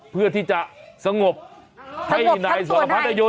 เพื่อที่จะสงบให้นายสวรรพัดได้หยุด